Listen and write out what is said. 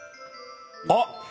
あっ！